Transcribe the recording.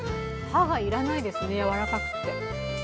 歯がいらないですねやわらかくて。